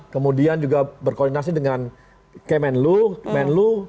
kemudian juga berkoordinasi dengan kemenlu